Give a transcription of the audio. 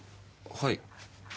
はい。